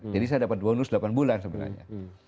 jadi saya dapat bonus delapan bulan sebenarnya